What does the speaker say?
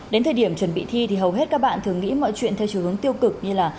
đến thời điểm chuẩn bị thi thì hầu hết các bạn thường nghĩ mọi chuyện theo chiều hướng tiêu cực như là